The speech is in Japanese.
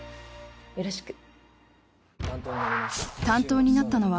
よろしく。